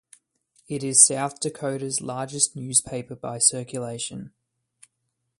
It is South Dakota's largest newspaper by circulation.